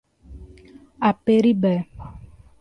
Aperibé